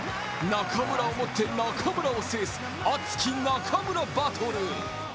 中村をもって中村を制す熱き中村バトル。